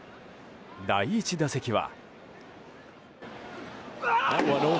第１打席は。